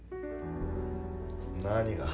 何が？